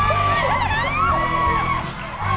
เร็วเร็วเร็ว